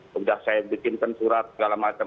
sudah saya bikinkan surat segala macam